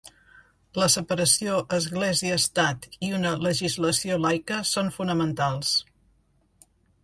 La separació Església-Estat i una legislació laica són fonamentals.